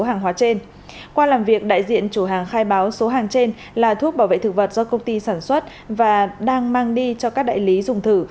qua làm việc đại diện chủ hàng khai báo số hàng trên là thuốc bảo vệ thực vật do công ty sản xuất và đang mang đi cho các đại lý dùng thử